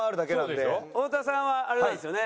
太田さんはあれなんですよね？